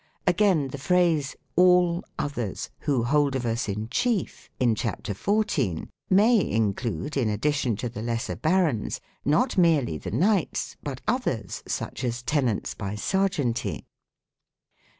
Again, the phrase '' all (others) who hold of us in chief" (in chapter 14) may include, in addition to the lesser barons, not merely the knights, but others, such as tenants by serjeanty.